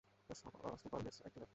Super-Pets, activate!